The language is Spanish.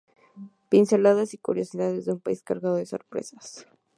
Pinceladas y curiosidades de un país cargado de sorpresas.